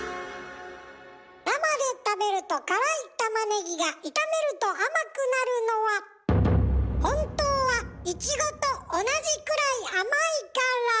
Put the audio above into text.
生で食べると辛いたまねぎが炒めると甘くなるのは本当はいちごと同じくらい甘いから。